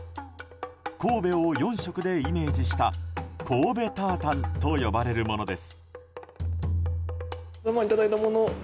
神戸を４色でイメージした神戸タータンと呼ばれるものです。